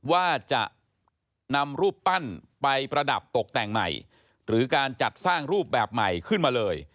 ว่าจะนำรูปปั้นไปประดับตกแต่งใหม่หรือการจัดสร้างรูปแบบใหม่ขึ้นมาเลย